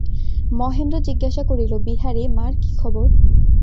মহেন্দ্র জিজ্ঞাসা করিল, বিহারী, মার কী খবর।